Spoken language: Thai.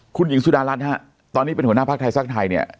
คุณหญิงสุดารัฐฮะตอนนี้เป็นหัวหน้าภาคไทยสร้างไทยเนี่ย